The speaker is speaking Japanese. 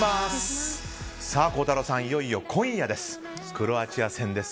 孝太郎さん、いよいよ今夜です。